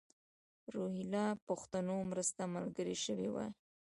روهیله پښتنو مرسته ملګرې شوې وای.